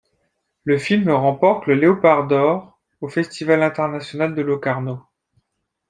Le film remporte le Léopard d'or au festival international de Locarno.